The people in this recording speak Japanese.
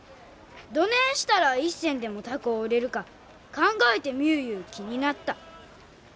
どねんしたら一銭でも高う売れるか考えてみゅういう気になった。